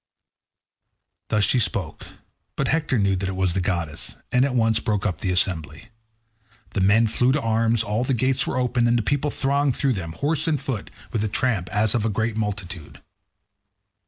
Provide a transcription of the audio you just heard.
Thus she spoke, but Hector knew that it was the goddess, and at once broke up the assembly. The men flew to arms; all the gates were opened, and the people thronged through them, horse and foot, with the tramp as of a great multitude.